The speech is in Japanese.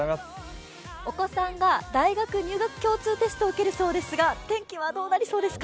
お子さんが、大学入学共通テストを受けるそうですが天気はどうなりそうですか？